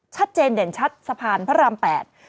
ชัดเจนเด่นชัดสะพานพระราม๘